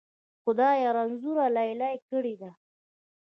خدایه! رنځوره لیلا یې کړې ده.